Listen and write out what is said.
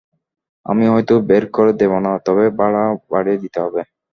আমি হয়তো বের করে দেব না, তবে ভাড়া বাড়িয়ে দিতে হবে।